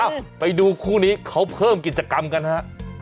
ไปดูคู่นี้เขาเพิ่มกิจกรรมกันฮะ